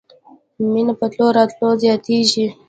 مینه په تلو راتلو زیاتیږي.